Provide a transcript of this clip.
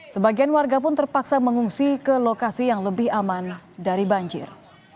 sebagian warga pun terpaksa mengungsi ke lokasi yang lebih aman dari banjir